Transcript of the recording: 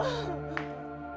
kamu harus mencoba untuk mencoba